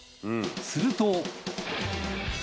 すると。